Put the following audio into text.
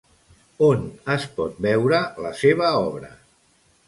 On es pot veure la seva obra?